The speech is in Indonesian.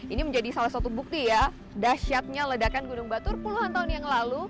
ini menjadi salah satu bukti ya dasyatnya ledakan gunung batur puluhan tahun yang lalu